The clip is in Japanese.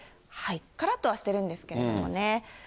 からっとはしてるんですけれどもね。